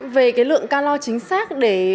về lượng ca lo chính xác